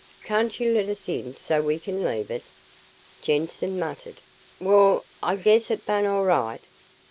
Can't you let us in so we can leave it?" Jensen muttered. "Wall I guess it bane all right."